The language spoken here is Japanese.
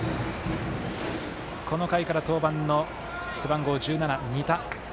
この回から登板の背番号１７、仁田。